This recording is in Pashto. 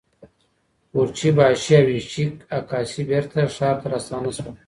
قورچي باشي او ایشیک اقاسي بیرته ښار ته راستانه شول.